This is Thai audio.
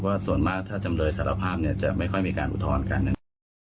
เพราะว่าส่วนมากถ้าจำเลยสารภาพเนี่ยจะไม่ค่อยมีการอุทธรณ์กันนั้น